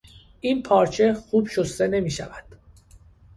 این پارچه خوب شسته نمیشود.